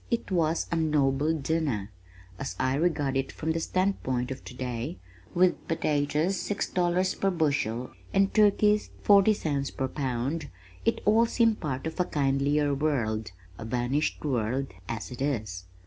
It was a noble dinner! As I regard it from the standpoint of today, with potatoes six dollars per bushel and turkeys forty cents per pound, it all seems part of a kindlier world, a vanished world as it is!